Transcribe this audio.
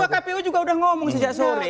ini ketua kpu juga sudah ngomong sejak sore